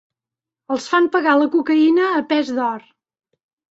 Els fan pagar la cocaïna a pes d'or.